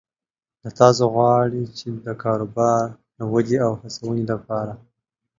له تاسو غواړي چې د کاروبار د ودې او هڅونې لپاره یې